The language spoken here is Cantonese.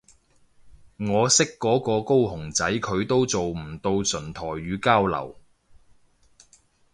我識嗰個高雄仔佢都做唔到純台語交流